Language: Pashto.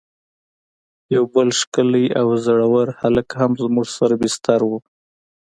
یو بل ښکلی او زړه ور هلک هم زموږ سره بستر و.